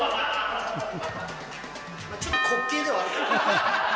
ちょっと滑稽ではある。